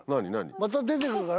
また出て来るかな？